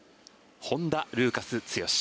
本田ルーカス剛史。